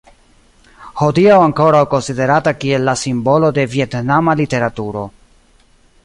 Hodiaŭ ankoraŭ konsiderata kiel la simbolo de vjetnama literaturo.